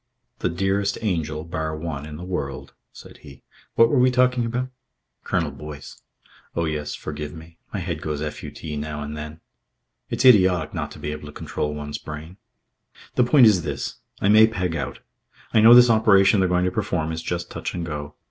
"The dearest angel, bar one, in the world." said he. "What were we talking about?" "Colonel Boyce." "Oh, yes. Forgive me. My head goes FUT now and then. It's idiotic not to be able to control one's brain.... The point is this. I may peg out. I know this operation they're going to perform is just touch and go.